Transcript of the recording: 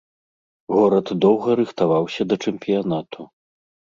Горад доўга рыхтаваўся да чэмпіянату.